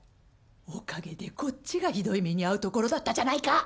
おかげでこっちがひどい目に遭うところだったじゃないか！